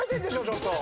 ⁉ちょっと。